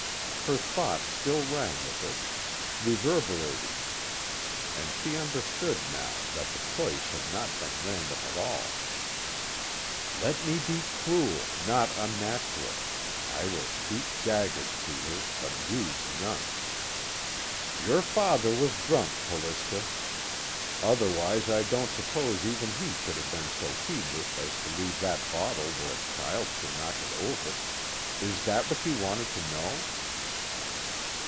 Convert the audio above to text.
Her thought still rang with it, reverberated, and she understood now that the choice had not been random at all: "Let me be cruel, not unnatural: I will speak daggers to her, but use none." "Your father was drunk, Callista, otherwise I don't suppose even he could have been so heedless as to leave that bottle where a child could knock it over. Is that what you wanted to know?"